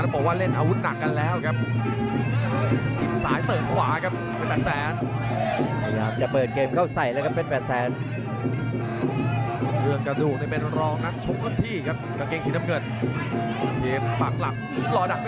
พยายามจะเต้นจริง